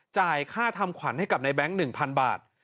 จ่ายค่าทำขวัญให้กับในแบงค์๑๐๐บาท